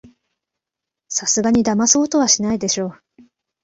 さすがにだまそうとはしないでしょ